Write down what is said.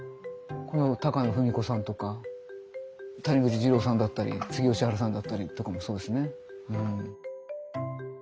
高野文子さんとか谷口ジローさんだったりつげ義春さんだったりとかもそうですね。